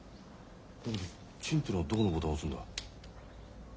チンってのはどこのボタンを押すんだ？